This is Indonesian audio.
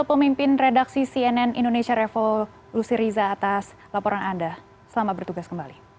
terima kasih pak